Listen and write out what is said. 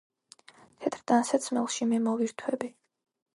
თეთრ ტანსაცმელში მე მოვირთვები